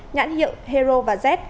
nhãn hiệu hero và z